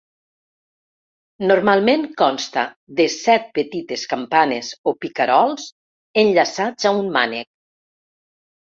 Normalment consta de set petites campanes o picarols enllaçats a un mànec.